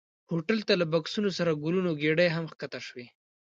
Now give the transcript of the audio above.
هوټل ته له بکسونو سره ګلونو ګېدۍ هم ښکته شوې.